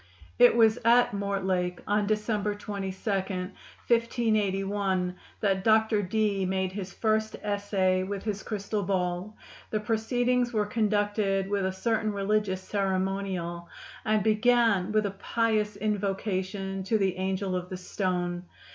It was at Mortlake, on December 22, 1581, that Dr. Dee made his first essay with his crystal ball. The proceedings were conducted with a certain religious ceremonial, and began with a pious invocation to the angel of the stone.